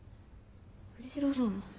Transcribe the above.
藤代さん。